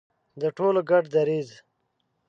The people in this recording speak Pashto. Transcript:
د ټولو ګډ دریځ.